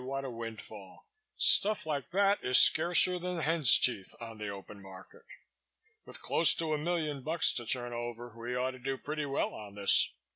what a windfall! Stuff like that is scarcer than hen's teeth on the open market. With close to a million bucks to turn over, we ought to do pretty well on this.